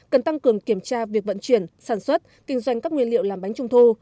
cần tăng cường kiểm tra việc vận chuyển sản xuất kinh doanh các nguyên liệu làm bánh trung thu